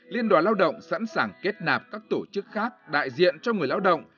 liên đoàn lao động sẵn sàng kết nạp các tổ chức khác đại diện cho người lao động